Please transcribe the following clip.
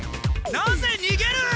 なぜにげる！？